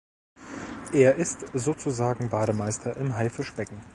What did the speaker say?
Er ist sozusagen Bademeister im Haifischbecken.